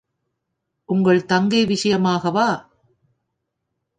உங்கள் தங்கை விஷயமாகவா?